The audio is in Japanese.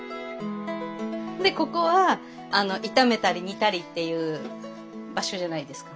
でここは炒めたり煮たりっていう場所じゃないですか。